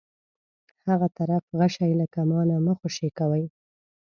هغه طرف غشی له کمانه مه خوشی کوئ.